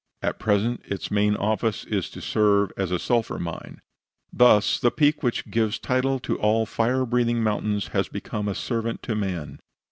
At present its main office is to serve as a sulphur mine. Thus the peak which gives title to all fire breathing mountains has become a servant to man.